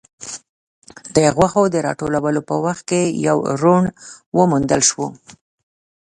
د غوښو د راټولولو په وخت کې يو ورون وموندل شو.